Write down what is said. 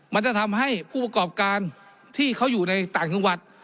มันจะทำให้ผู้ประกอบการที่เขาอยู่ในต่างจังหวัด